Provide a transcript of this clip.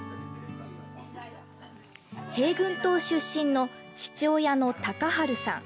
平郡島出身の父親の隆元さん